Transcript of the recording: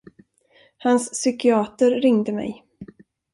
Hans psykiater ringde mig.